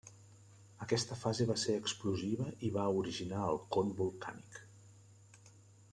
Aquesta fase va ser explosiva i va originar el con volcànic.